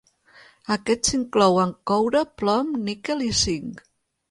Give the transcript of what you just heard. Aquests inclouen coure, plom, níquel i zinc.